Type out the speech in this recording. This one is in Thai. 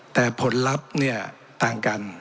แต่ผลลัพธ์เนี่ยต่างกัน